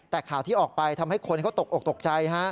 แต่ข่าวที่ออกไปทำให้คนเขาตกออกตกใจ